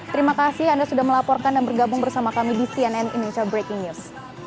terima kasih anda sudah melaporkan dan bergabung bersama kami di cnn indonesia breaking news